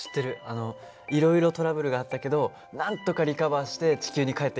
いろいろトラブルがあったけどなんとかリカバーして地球に帰ってきたんだよね。